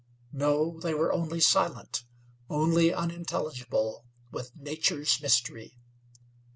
No; they were only silent, only unintelligible with nature's mystery.